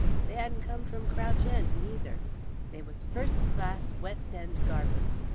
They hadn't come from Crouch End, neither. They was first class West End garments.